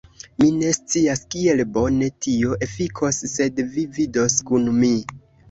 Mi ne scias kiel bone tio efikos sed vi vidos kun mi